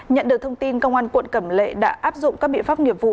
nhận được thông tin công an quận cẩm lệ đã áp dụng các biện pháp nghiệp vụ